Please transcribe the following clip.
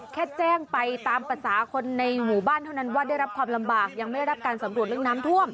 แค่แจ้งไปตามภาษาคนในหมู่บ้านเท่านั้นว่าได้รับความลำบากยังไม่ได้รับการสำรวจเรื่องน้ำท่วม